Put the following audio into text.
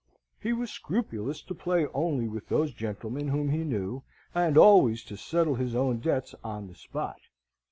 He was scrupulous to play only with those gentlemen whom he knew, and always to settle his own debts on the spot.